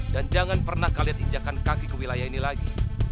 dan jangan pernah kalian injakkan kaki ke wilayah ini lagi